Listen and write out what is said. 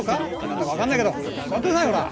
何だか分かんないけどちゃんと座ってなさいほら！